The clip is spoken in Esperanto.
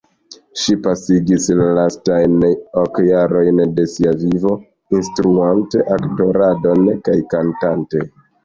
Ŝi pasigis la lastajn ok jarojn de sia vivo instruante aktoradon kaj kantante.